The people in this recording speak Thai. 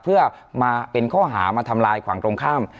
เพื่อมาเป็นค่ามาทำลายขวังตรงข้าม